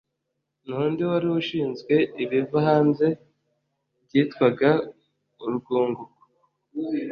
Ni undi wari ushinzwe ibiva hanze byitwaga urwunguko